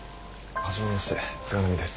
初めまして菅波です。